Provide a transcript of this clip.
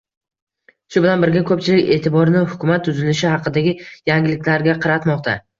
Shu bilan birga, ko'pchilik e'tiborini hukumat tuzilishi haqidagi yangiliklarga qaratmoqda